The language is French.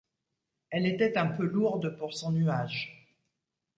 Elle était un peu lourde pour son nuage.